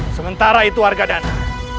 sementara itu harga dana